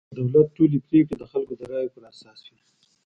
د دولت ټولې پرېکړې د خلکو رایو پر اساس وي.